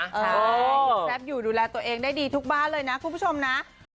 ใช่แซ่บอยู่ดูแลตัวเองได้ดีทุกบ้านเลยนะคุณผู้ชมนะ